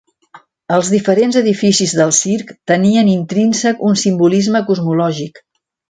Els diferents edificis del circ tenien intrínsec un simbolisme cosmològic.